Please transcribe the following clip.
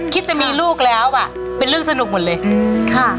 คิดจะมีลูกแล้วอ่ะเป็นเรื่องสนุกหมดเลยค่ะ